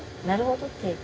なるほどね。